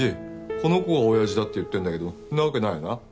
この子がおやじだって言ってるんだけどそんなわけないよな？